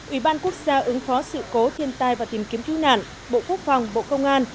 ủy ban quốc gia ứng phó sự cố thiên tai và tìm kiếm cứu nạn bộ quốc phòng bộ công an